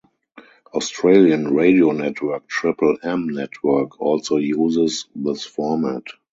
Australian radio network Triple M Network also uses this format.